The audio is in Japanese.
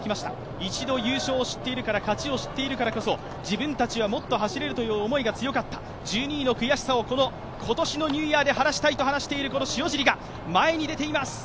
一度優勝を知っているから、勝ちを知っているからこそ自分たちはもっと走れるという思いが強かった、１２位の悔しさを今年のニューイヤーで晴らしたいと話している塩尻が前に出ています。